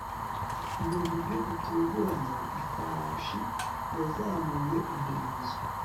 mu buryo butunguranye, ifarashi yazamuye umurizo